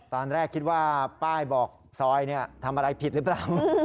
ตอนแรกคิดว่าป้ายบอกซอยทำอะไรผิดหรือเปล่า